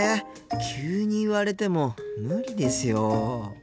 急に言われても無理ですよ。